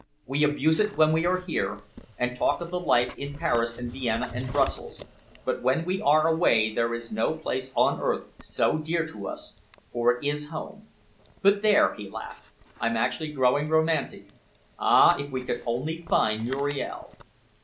We abuse it when we are here, and talk of the life in Paris, and Vienna, and Brussels, but when we are away there is no place on earth so dear to us, for it is 'home.' But there!" he laughed, "I'm actually growing romantic. Ah! if we could only find Muriel!